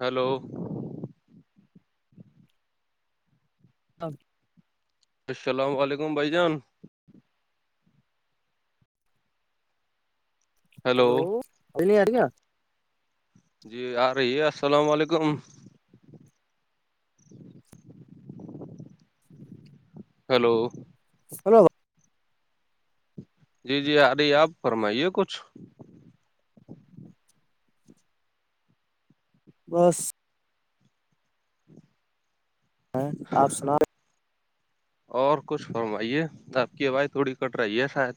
Hello okay السلام علیکم بھائی جان ہیلو ہلو الی آ کیا جی آ رہی ہے السلام علیکم ہلو ہلو جی جی ارے آپ فرمائیے کچھ بس جی ہ آپ سنا اور کچھ فرمائیے آپ کی آاز تھوڑی کٹ رہی ہے شاید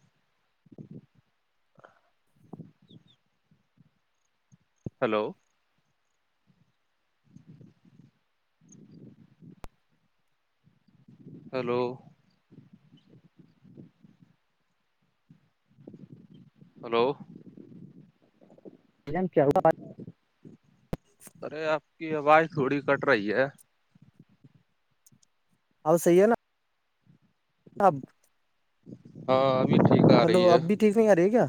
ہلو ہلو ہلو کیا ہوا ارے آپ کی آواز تھوڑی کٹ رہی ہے اور صحی ہے نا اب ہاں اب ٹھیک آ رہی ہے اب بھی ٹھیک نہیں آ رہی ہے کیا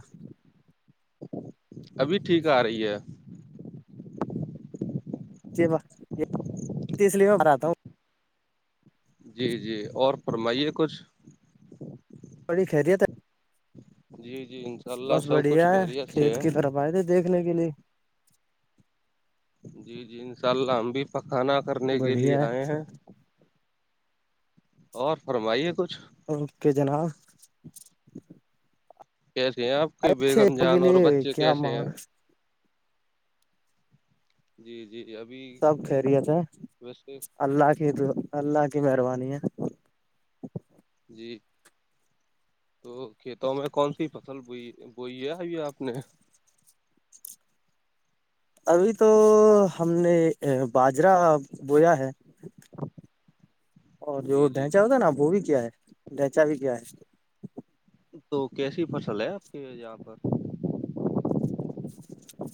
ابھی ٹھیک آ رہی ہے جی ب اس لیے میں ہراتا ہوں جی جی اور فرمائیے کچھ بڑی خیریت ہے جی جی انشاء اللہ سب کچھ خیریت سے ہے بائے تھے دیکھنے کے لیے جی جی انشاء اللہ ہم بھی پکھانا کرنے کے لے بڑھیا ہے آئے ہیں اور فرمائی ہے کچھ اوکے جنا کیسے ہیں آپ کے آئے تھے بیےگم کے جان اور لیے بچے کیا کیسے مان ہیں جی جی ابھی سب خیریت ہے ویسے اللہ کی د اللہ کی مہربانی ہے جی تو کھیتوں میں کون سی فصل بوئی بوئی ہے ابھی آپ نے ابھی تو ہم نے باجرہ بویا ہے [unintelligible] اور جو جی جی ڈھنچا ہوتا ہے نا وہ بھی کیا ہے ڈھینچا بھی کیا ہے تو کیسی فصل ہے آپ کے یہاں پر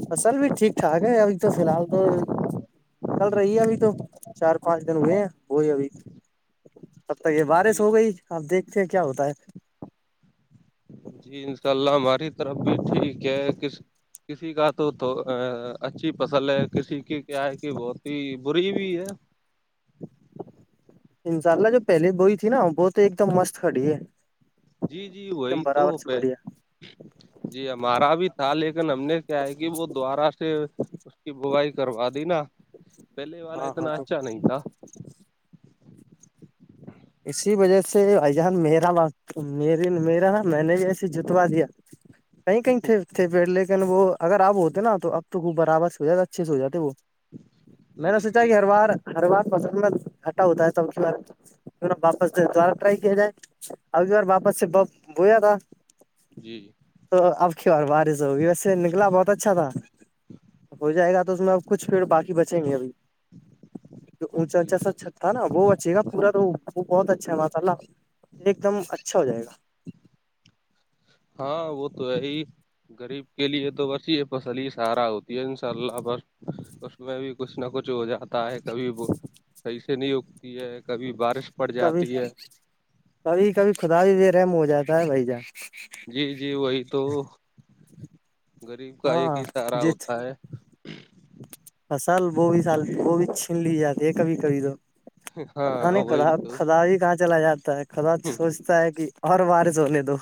فصل بھی ٹھیک ٹھاک ہے ابھی تو فی الحال تو نکل رہی ہے ابھی تو چار پانچ دن ہوئے ہیں وہی ابھی تب تک یہ بارش جی ہو گئی آپ دیکھتے ہیں کیا ہوتا ہے جی انشاء اللہ ہماری طرف بھی تھی کیا کس کسی کا تو اچھی فصل ہے کسی کی کیا ہے کہ بہت ہی بری بھی ہے انشاء اللہ جو پہلے بوئی تھی نا وہ تو ایک دم مست کھڑی ہے جی جی ایک دم وہی تو ہو برابر سے پہ بڑھیا جی ہاں ہمارا بھی تھا لیکن ہم نے کیا ہے کہ وہ دوارہ سے اس کی بوائی کروا دینا پہلے والا ہاں ہاں اتنا تو اچھا نہیں تھا اسی وجہ سے اجہان مرا م میرا ن میں نے بھی ایسے جتوا دیا کہیں کہیں تھے تھے پیڑ لیکن وہ اگر اب ہوتے نا تو اب تو خوب برابر سے ہو جاتا اچھے سے ہو جاتے وہ جی میں نے سوچا جی کہ ہر بار ہر بار فصل میں گھٹا ہوتا ہے سب کی بار واپس دوارا ٹرائی کیا جائے اب بار واپس سے بویا تھا جی جی تو اب کی اور بارش ہوگی ویسے نکلا بہت اچھا تھا ہو جائے گا تو اس میں اب کچھ پھر باقی بچیں گے ابھی تو اونچا جی اونچا سو چھ تھا نا وہ بچے گا پورا تو وہ بہت اچھا ہے ماشاء اللہ یہ ایک دم اچھا ہو جائے گا ہاں وہ تو ہے ہی غریب کے لیے تو وسی ہے فصل ہی سارا ہوتی ہے انشاء اللہ ب اس میں بھی کچھ نہ کچھ ہو جاتا ہے کبھی وہ صحیح سے نہیں اگتی ہے کبھی بارش پڑ کبھی جاتی ہے کبھی کبھی خدا بھی بے رحم ہو جاتا ہے بھائی جان جی جی وہی تو غریب کا ایک ہاں ہی سارہ ہوتا ہے فصال وہ بھی سال وہ بھی چھین لی جاتی ہے کبھی کبھی تو پتا ہاں نہیں خدا وہی تو کدا ہی کہاں چلا جاتا ہے کدا سوچ [unintelligible] تا ہے کہ اور وارس ہونے دو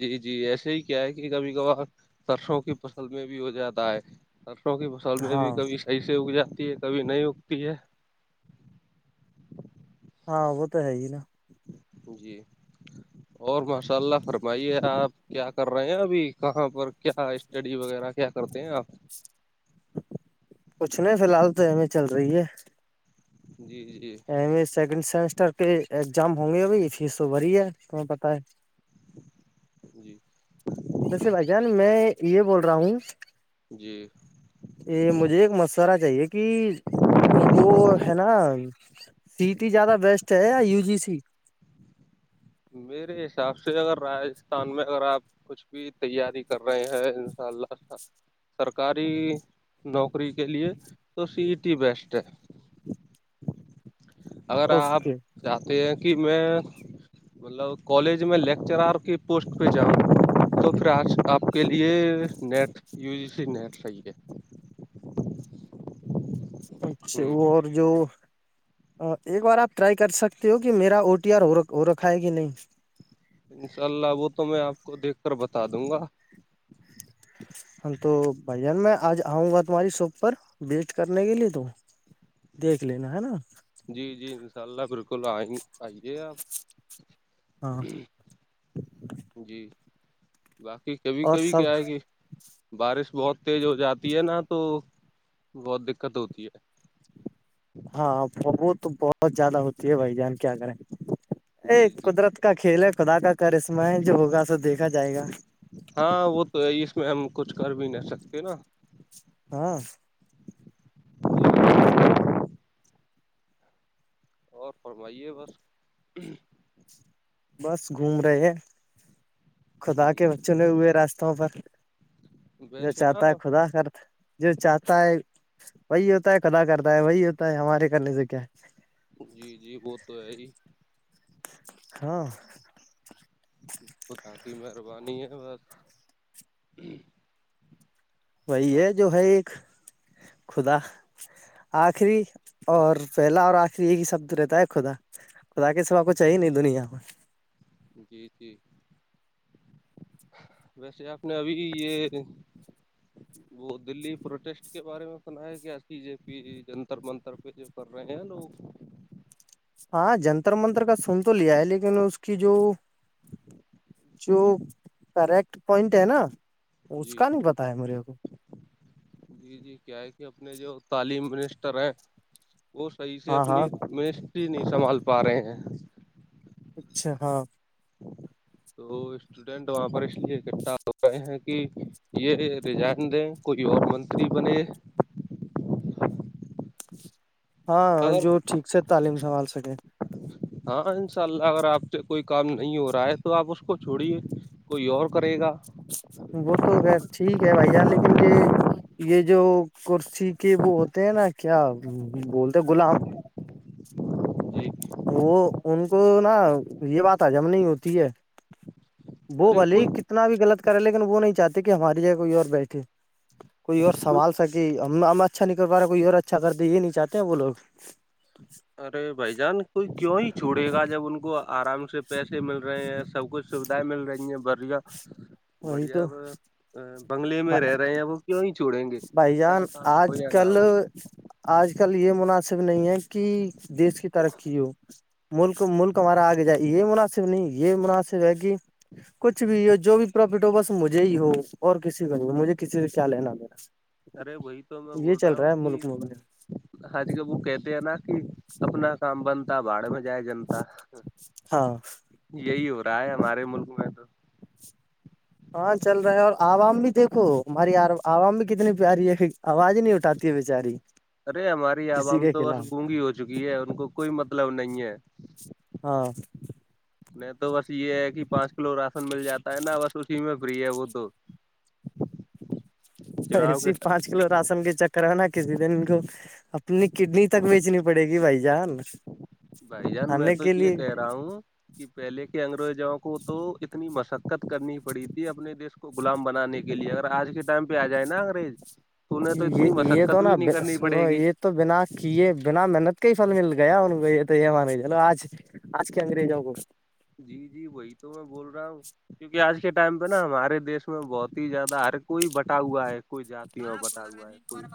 جی جی ایسے ہی کیا ہے کہ کبھی کبھار سرسوں کی فصل میں بھی ہو جاتا ہے برسوں کی فصل میں ہاں بھی کبھی صحیح سے اگ جاتی ہے کبھی نہیں اگتی ہے ہاں وہ تو ہے ہی نا جی اور ماشاء اللہ فرمائیے آپ کیا کر رہے ہیں ابھی کہاں پر کیا اسٹڈی وغیرہ کیا کرتے ہیں آپ کچھ نہیں فی الحال تو ای چل رہی ہے جی جی ایے سیکنڈ سیمسٹر کے ایگزام ہوں گے بھائی فیس تو بڑی ہے تمہیں پتتا ہے جی [unintelligible] دس بجان میں یہ بول رہا ہوں جی یہ مجھے ایک مشورہ چاہیے کہ وہ ہے نا سیٹی زیادہ بیسٹ ہے یا یو جی سی میرے حساب سے اگر راجستھان میں اگر آپ کچھ بھی تیاری [unintelligible] کر رہے ہیں ان شاء اللہ سرکاری نوکری کے لیے تو سی ٹی بیسٹ ہے اگر آپ اوکے چاہتے ہیں کہ میں مطلب کالج میں لیکچرار کی پوسٹ پہ جاؤں تو پھر آج آپ کے لیے NET U G C NET صی ہے اچھا ہ وہ اور جو ایک بار آپ ٹرائی کر سکتے ہو کہ میرا او ٹی آر ہو رکھا ہے کہ نہیں انشاء اللہ وہ تو میں آپ کو دیکھ کر بتا دوں گا ہم تو بھیا میں آج آؤں گا تمہاری شاپ پر وسٹ کرنے کے لیے تو دیکھ لینا ہے نا جی جی انشاء اللہ بالکل آئیں آئیے آپ ہاں جی باقی کبھی اور کبھی سب کیائے گے بارش بہت تیز ہو جاتی ہے نا تو بہت دقت ہوتی ہے ہاں فبو تو بہت زیادہ ہوتی ہے بھائی جان کیا کریں ہے ا جی جی قدرت کا کھیل ہے خدا کا کر اسمائے جو ہوگا سو دیکھا جائے گا ہاں وہ تو ہے اس میں ہم کچھ کر بھی نہیں سکتے نا ہاں جی۔ اور فرمائیے بس بس گھوم رہے ہیں خدا کے ہ بچوں میں ہوئے راستوں پر جو ویسے نا چاہتا ہے خدا کر جو چاہتا ہے وہی ہوتا ہے کدا کرتا ہے وہی ہوتا ہے ہمارے کرنے سے کیا جی جی وہ تو ہے ہی ہاں ختا کی مہربانی ہے بس وہی یہ جو ہے ایک خدا آخری اور پہلا اور آخری یہ ہی شبد رہتا ہے خدا خدا کے سب آپ کو چاہیے نہیں دنیا میں جی جی ویسے آپ نے ابھی یہ وہ دلی پروٹیسٹ کے بارے میں سنا ہے کہ بی جے پی جنتر منتر پہ جو کر رہے ہیں لوگ ہاں جنتر منتر کا سن تو لیا ہے لیکن اس کی جو جو کریکٹ پوائنٹ ہے نا اس جی کا نہیں پتا ہے میرے کو جی جی کیا ہے کہ اپنے جو تعلیم منسٹر ہیں وہ صحیح سے ہاں ہاں اپنی مسٹری نہیں سنبھال پا رہے ہیں اچھا ہاں تو اسٹوڈینٹ وہاں پر اس لیے اکٹھا ہو رہئے ہیں کہ یہ رجائن دیں کوئی اور منتری بنے ہاں اگر جو ٹھیک سے تعلیم سنبھال سکے ہاں ان شاء اللہ اگر آپ سے کوئی کام نہیں ہو رہا ہے تو آپ اس کو چھوڑیے کوئی اور کرے گا وہ تو ٹھیک ہے بھائی لیکن یہ جو کرسی کے وہ ہوتے ہیں نا کیا بولتے غلام جی وہ ان کو نا یہ بات حجم نہیں ہوتی ہے وہ ارے بھل کوئی کتنا بھی غلط کرے لیکن وہ نہیں چاہتے کہ ہماری جگ کوئی اور بیٹھے کوئی اور سبھال سکے ہم اچھا نہیں کر پا رہا کوئی اور اچھا کر د یہ نہیں چاہتے وہوگ ارے بھ جان کوئی کیوں ہی چھوڑے گا جب ان کو آرام سے پیسے مل رہے ہیں سب کچھ سویدھائیں مل رہی ہیں بڑھیا ج بڑھیاب بنگلے میں رہ رہے ہیں وہ کیوں ہی چھوڑیں گے بھائی کیا جان کام ہو آج یا نہ کل ہو آج کل یہ مناسب نہیں ہے کہ دیش کی ترقی ہو ملک ملک ہمارا آگے جائے یہ مناسب نہیں یہ مناسب ہے کہ کچھ بھی یہ جو بھی پٹو بس مجھے ہی ہو اور کسی کو نہیں ہو مجھے کسی سے کیا لینا میرا ارے بی تو میں بول رہا ہوں کہ میں حجی ببو کہتے ہیں نا کہ اپنا کام بنتا باڑ میں جائے جنتا ہاں یہی ہو رہا ہے ہمارے ملک میں تو ہاں چل رہے ہیں اور عوام بھی دیکھو ہماری عوام بھی کتنی پیاری ہے آواز نہیں اٹھاتی چاری ارے ہماری اب ہم تو بس گونگی ہو چکی ہے ان کو کوئی مطلب نہیں ہے ہاں نہیں تو بس یہ ہے کہ پانچ کلو راست مل جاتا ہے نا بس اسی میں فری ہے وہ تو چناؤ ایسی کے پانچ کلو راشن کے چکر ہے نا کسی دن کو اپنی کڈنی تک بیچنی پڑے گی بھائی جان بھائی جان میں کھانے تو کے یہ لیے کہہ رہا ہوں کہ پہلے کے انگریزوں کو تو اتنی مشقت کرنی پڑی تھی اپنے دیش کو غلام بنانے کے لیے اگر آج کے ٹائم پہ آ جائے نا انگریز تو انہیں تو یہ اتنی یہ تو مشقت نا بھی نہیں کرنی پڑے سنو گی یہ تو بنا کیے بنا محنت کے ہی فھل مل گیا ان کو یہ تو یہ مان چلو آج آج کے انگریج ہو گو جی جی وہی تو میں بول رہا ہوں کیونک آج کے ٹائم پہ نا ہمارے دیش میں بہت ہی زیادہ ہر کوئی بٹا ہوا ہے کوئی جاتیوں میں بٹا ہوا ہے کوئی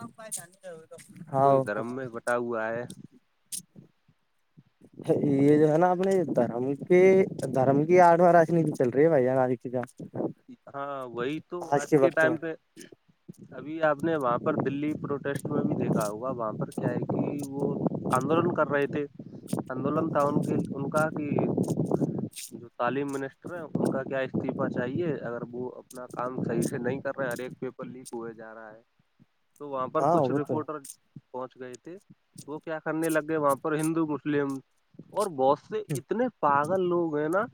کوئی دھرم میں بٹا ہوا ہے ا یہ جو ہے نا اپنے دھرم کے دھرم کی آڈواں راجنیتی چل رہی ہے بھائییا آال سے ہاں وہی تو آج کے وقت ٹائم میں پہ ابھی آپ نے وہاں پر دلی پروٹیسٹ میں بھی دیکھا ہوگا وہاں پر کیا ہے کہ وہ آندولن کر رہے تھے آندولن تھا ان کے ان کا کہ جو تعلیم منسٹر ہیں ان کا کیا استعفہ چاہیے اگر وہ اپنا کام صحیح سے نہیں کر رہے ہر ایک پیپر لیک ہوئے جا رہا ہے تو وہاں پر ہاں کچھ وہ تو رپورٹر پہنچ گئے تھے وہ کیا کرنے لگے وہاں پر ہندو مسلم اور بہت سے اتنے پاگل لوگ ہیں نا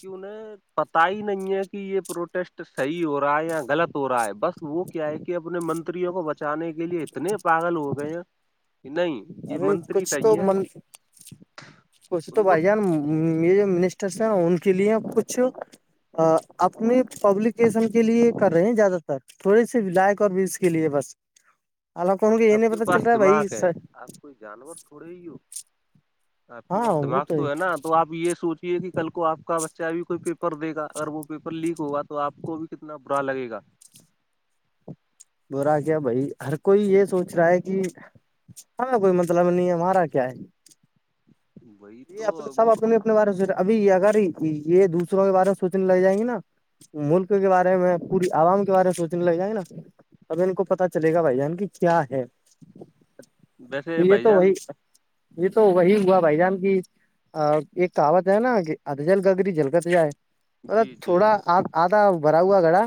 کہ انہیں پت ہی نہیں ہے یہ پروٹیسٹ صحیح ہو رہا ہے یا غلط ہو رہا ہے بس وہ کیا ہے کہ اپنے منتریوں کو بچانے کے لیے اتنے پاگل ہو گئے ہیں نہیں یہ ارے منتری کچھ تو صحیح ہے من کچھ تو ان کو بھائی جان می سا ان کے لیے کچھ اپنے پبلیکیشن کے لیے کر رہے ہیں زیادہ تر تر تھوڑے سی لائق اور ویوس کے لیے بس الال کون کے یہ آپ نہیں پتا پاس چل رہا ہے بھائی دماغ سر آپ کوئی جانور تھوڑے ہی ہو آپ کے ہاں پاس وہ دماغ تو ہے نا تو آپ یہ سوچیے کہ کل کو آ کا بچہ بھی کوئی پر دے گا اگر وہ پیپر لیک ہوگا تو آپ کو بھی کتنا برا لگے گا رہا کیا بھائی ہر کوئی یہ سوچ رہا ہے کہ ہمیں کوئی مطلب نہیں ہمارا کیا ہے وہی یہ تو اپنے سب وہ اپنے اپنے بارے میں سوچ ابھی اگر یہ دوسروں کے بارے میں سوچنے لگ جائیں گے نا ملک کے بارے میں پوری عوام کے بارے میں سوچنے لگ جائ گے نا اب ان کو پتا چلے گا بھائی جان کی کیا ہے ویسے یہ بھائی تو جان وہی یہ تو وہی ہوا بھائی جان ایک کہاوت ہے نا کہ ادجل گگری جلکت جائے مطلب جی جی تھوڑا آدھا بھرا ہوا گھڑا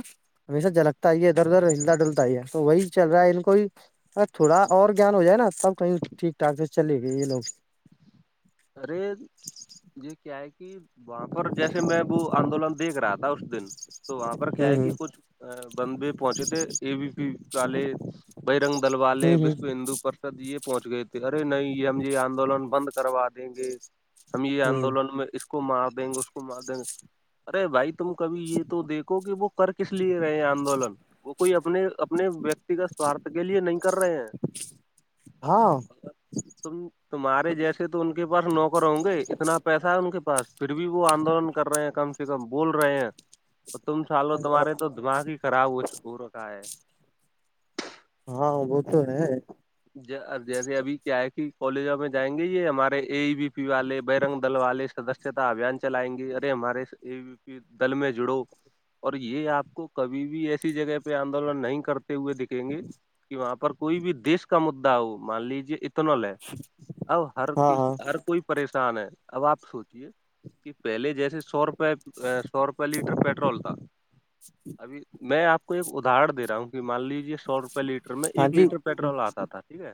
ہمیشہ جلکتا ہی ہے ادھر ادھر ہلد ڈھلتا ہی ہے تو وہی چل رہا ہے ان کو ہی ارے تھوڑا اور گیان ہو جائے نا تب کہیں ٹھیک ٹھاک سے چلے گے یہ لوگ ارے یہ کیا ہے کہ وہاں پر جیسے میں وہ آندولن دیکھ رہا تھا اس دن تو وہاں پر کیا ہوں ہے کہ کچھ بندے پہنچے تھے اے بی پی والے بجرنگ دل والے ہوں ہوں وشو ہندو پرشد یہ پہنچ گئے تھے ارے نہیں یہ ہم یہ آندولن بند کروا دیں گے ہم یہ ہوں آندولن میں اس کو مار دیں گے اس کو مار دیں گے ارے بھائی تم کبھی یہ تو دیکھو کہ وہ کر کس لیے رہے ہیں آندولن وہ کوئی اپنے اپنے ویکتیگت بھارت کے لیے نہیں کر رہے ہیں ہ تم تمہارے جیسے تو ان کے پاس نوکر ہوں گے اتنا پیسہ ہے ان کے پاس پھر بھی وہ آندولن کر رہے ہیں کم سے کم بول رہے ہیں [unintelligible] تو تم سالو تمہارے تو دماغ ہی خراب ہو رکھا ہے ہاں وہ تو ہے جیسے ابھی کیا ہے کہ کالجوں میں جائیں گے یہ ہمارے اے بی پی والے بجرنگ دل والے سدس سچھتا ابھیان چلائیں گے ارے ہمارے دل میں جڑو اور یہ آپ کو کبھی بھی ایسی جگہ پہ آندولن نہیں کرتے ہوئے دکھیں گے کہ وہاں پر کوئی بھی دیش کا مدا ہو مان لیجے اتنا لے آ ہر ہاں کسی ہاں ہر کوئی پریشان ہے اب آپ سوچیے کہ پہلے جیسے سو روپئے سو روپئے لیٹر پیٹرول تھا ابھی میں آپ کو ایک ادہر دے رہا ہوں کہ مان لیجے سو روپے لیٹر میں ہاں ایک لیٹر جی پیٹرول آتا تھا ٹھیک ہے